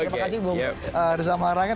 terima kasih ibu rizal marangin